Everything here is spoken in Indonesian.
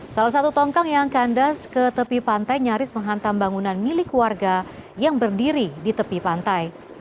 salah satu tongkang yang kandas ke tepi pantai nyaris menghantam bangunan milik warga yang berdiri di tepi pantai